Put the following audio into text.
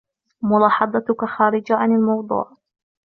ملاحظتك خارجة عن الموضوع.